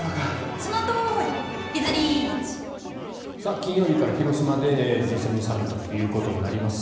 金曜日から広島でＧ７サミットとなります。